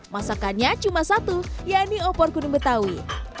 masakannya cuma satu yaitu opor kuning betawi